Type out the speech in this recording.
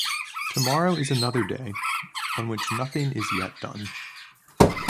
Tomorrow is another day on which nothing is yet done.